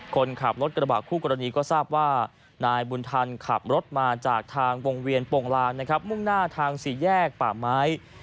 คนขับรถกระบะคู่กรณีก็ทราบว่านายบุญธรรมขับรถมาจากทางวงเวียนโปรงลางนะครับมุ่งหน้าทางสี่แยกป่าไม้